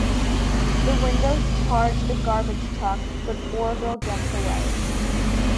The Widows charge the garbage truck, but Orville gets away.